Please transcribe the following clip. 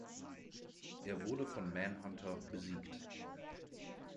Er wurde von Manhunter besiegt.